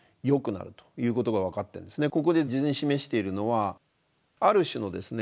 ここで図に示しているのはある種のですね